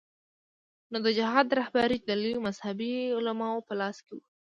نو د جهاد رهبري د لویو مذهبي علماوو په لاس کې وه.